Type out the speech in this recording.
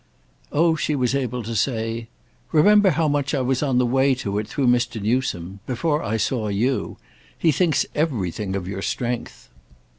Oh she was able to say. "Remember how much I was on the way to it through Mr. Newsome—before I saw you. He thinks everything of your strength."